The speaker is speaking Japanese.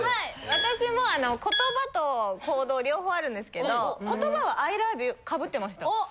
私も言葉と行動両方あるんですけど言葉は「Ｉｌｏｖｅｙｏｕ」かぶってました。